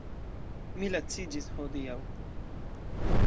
Mi laciĝis hodiaŭ.